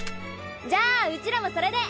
じゃあうちらもそれで。